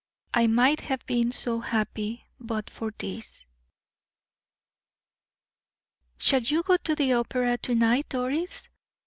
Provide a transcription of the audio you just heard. "I MIGHT HAVE BEEN SO HAPPY, BUT FOR THIS!" "Shall you go to the opera to night, Doris?"